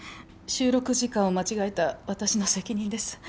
収録時間を間違えた私の責任です。